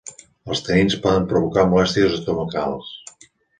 Els tanins poden provocar molèsties estomacals.